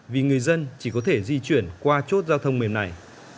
vì người dân chỉ có thể di chuyển qua chốt giao thông mềm này